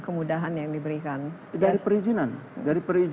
kemudahan kemudahan bagi pengusaha pengusaha untuk menginvestasikan di daerah ketapang